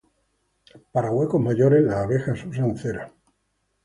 Para huecos mayores, las abejas usan cera.